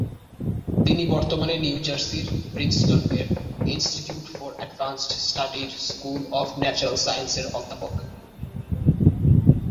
তিনি বর্তমানে নিউ জার্সির প্রিন্সটন-এর "ইনস্টিটিউট ফর অ্যাডভান্সড স্টাডি"র "স্কুল অফ ন্যাচারাল সায়েন্স" -এর অধ্যাপক।